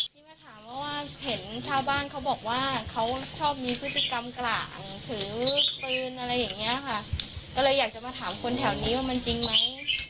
แล้วมาถามว่าเห็นชาวบ้านเขาบอกว่าเขาชอบมีพฤติกรรมกลางถือปืนอะไรแบบนี้ก็เลยอยากมาถามคนไหนแถวนี้ว่ามันจริงไหม